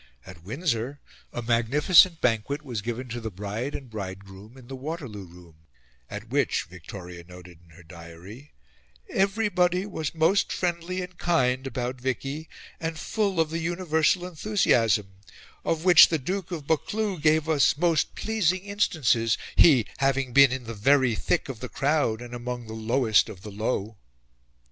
At Windsor a magnificent banquet was given to the bride and bridegroom in the Waterloo room, at which, Victoria noted in her diary, "everybody was most friendly and kind about Vicky and full of the universal enthusiasm, of which the Duke of Buccleuch gave us most pleasing instances, he having been in the very thick of the crowd and among the lowest of the low."